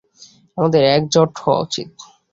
আমাদের একজোট হওয়া উচিত।